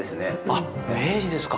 あっ、明治ですか！？